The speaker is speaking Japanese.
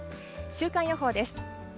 週間予報です。